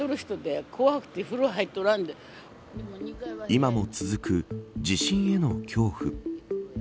今も続く地震への恐怖。